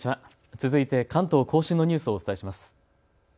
続いて関東甲信のニュースをお伝えします。